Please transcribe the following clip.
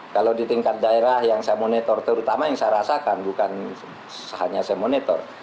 kalau di tingkat daerah yang saya monitor terutama yang saya rasakan bukan hanya saya monitor